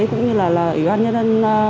cũng như là ủy ban nhân dân